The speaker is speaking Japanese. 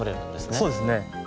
そうですね。